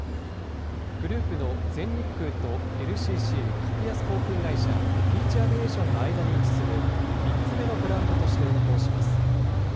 グループの全日空とＬＣＣ・格安航空会社、ピーチ・アビエーションの間に位置する３つ目のブランドとして運航します。